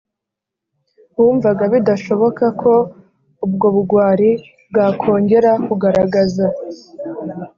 bumvaga bidashoboka ko ubwo bugwari bwakongera kugaragaza